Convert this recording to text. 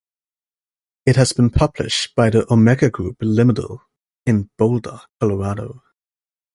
It has been published by the Omega Group Limited, in Boulder, Colorado.